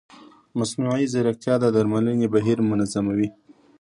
مصنوعي ځیرکتیا د درملنې بهیر منظموي.